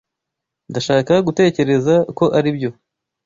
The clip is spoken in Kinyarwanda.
Ndashaka gutekereza ko aribyo.